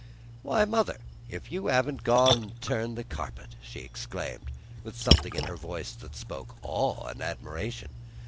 "Why, mother, if you haven't gone an' turned the carpet!" she exclaimed, with something in her voice that spoke of awe and admiration.